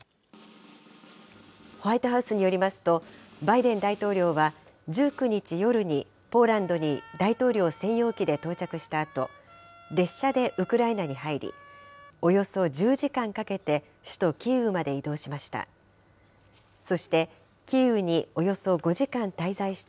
ホワイトハウスによりますと、バイデン大統領は、１９日夜にポーランドに大統領専用機で到着したあと、列車でウクライナに入り、およそ１０時間かけて首都キーウまで移動しました。